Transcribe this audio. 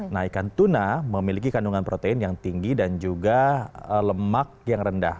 nah ikan tuna memiliki kandungan protein yang tinggi dan juga lemak yang rendah